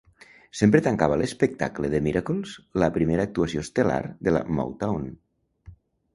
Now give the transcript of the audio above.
Sempre tancava l'espectacle The Miracles, la primera actuació estel·lar de la Motown.